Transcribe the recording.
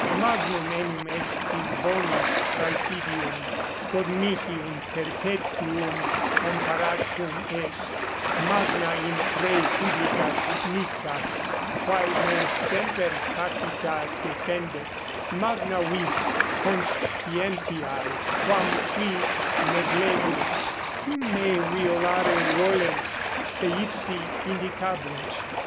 Magnum enim est in bonis praesidium, quod mihi in perpetuum comparatum est, magna in re publica dignitas, quae me semper tacita defendet, magna vis conscientiae, quam qui neglegunt, cum me violare volent, se ipsi indicabunt.